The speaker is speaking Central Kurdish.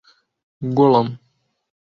گوڵم!